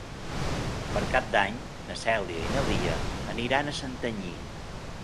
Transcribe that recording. Per Cap d'Any na Cèlia i na Lia aniran a Santanyí.